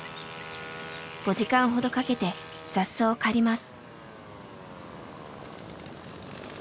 ５時間ほどかけて雑草を刈ります。